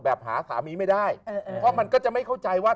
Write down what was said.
หาสามีไม่ได้เพราะมันก็จะไม่เข้าใจว่า